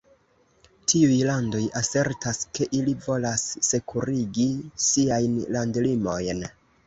Tiuj landoj asertas ke ili volas sekurigi siajn landlimojn.